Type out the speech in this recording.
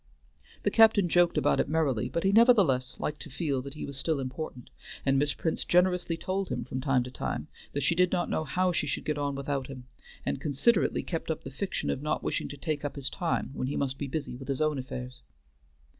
The captain joked about it merrily, but he nevertheless liked to feel that he was still important, and Miss Prince generously told him, from time to time, that she did not know how she should get on without him, and considerately kept up the fiction of not wishing to take up his time when he must be busy with his own affairs.